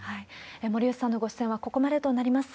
森内さんのご出演はここまでとなります。